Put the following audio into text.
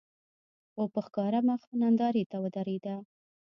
او په ښکاره مخ نندارې ته ودرېده